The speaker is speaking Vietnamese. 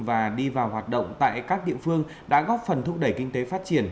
và đi vào hoạt động tại các địa phương đã góp phần thúc đẩy kinh tế phát triển